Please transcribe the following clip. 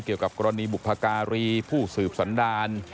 เกี่ยวกับกรณีบุพการีผู้สืบสันดาร